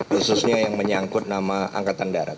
khususnya yang menyangkut nama angkatan darat